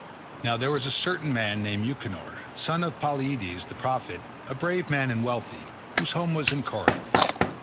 Now there was a certain man named Euchenor, son of Polyidus the prophet, a brave man and wealthy, whose home was in Corinth.